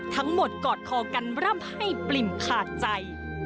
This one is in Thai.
ทั้งหมดกอดคอกันร่ำให้ปลิ่มขาดใจ